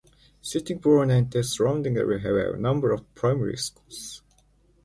Sittingbourne and the surrounding area have a number of primary schools.